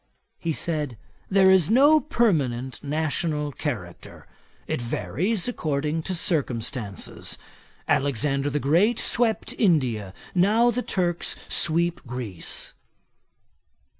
He said, 'there is no permanent national character; it varies according to circumstances. Alexander the Great swept India: now the Turks sweep Greece.'